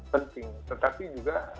penting tetapi juga